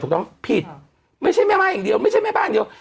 ถูกต้องผิดไม่ใช่แม่ไม้อย่างเดียวไม่ใช่แม่บ้านอย่างเดียว